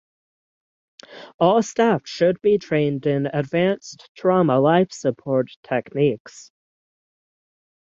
All staff should be trained in Advanced Trauma Life Support techniques.